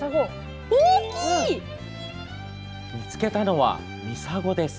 見つけたのはミサゴです。